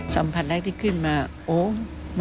สัมผัสที่ขึ้นมาโอ้มัน